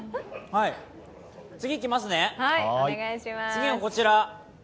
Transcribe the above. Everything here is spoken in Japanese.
次は、こちら。